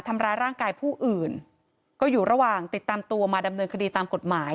ทำร้ายร่างกายผู้อื่นก็อยู่ระหว่างติดตามตัวมาดำเนินคดีตามกฎหมาย